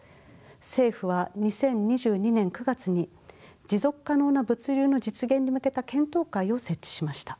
政府は２０２２年９月に「持続可能な物流の実現に向けた検討会」を設置しました。